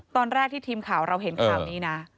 ตอนแรกที่ทีมข่าวเราเห็นข่าวนี้นะ